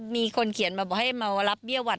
มีคนเขียนมาบอกให้มารับเบี้ยวัด